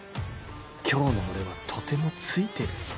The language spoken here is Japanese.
今日の俺はとてもツイてる